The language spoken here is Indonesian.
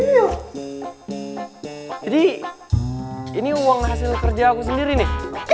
jadi ini uang hasil kerja aku sendiri nih